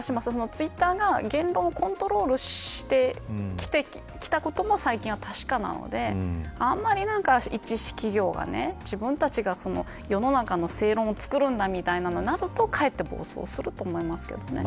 ツイッターが言論をコントロールしてきたことも最近は確かなのであまり、一企業が自分たちが、世の中の世論を作るんだとなるとかえって暴走すると思いますけどね。